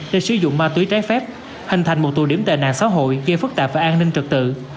để sử dụng ma túy trái phép hình thành một tù điểm tệ nạn xã hội gây phức tạp và an ninh trật tự